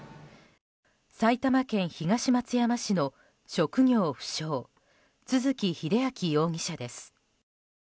埼玉県東松山市の職業不詳都築英明容疑者です。